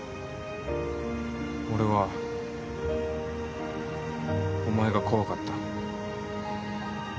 俺はお前が怖かった。